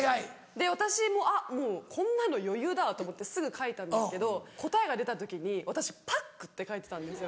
私もあっもうこんなの余裕だと思ってすぐ書いたんですけど答えが出た時に私パックって書いてたんですよ。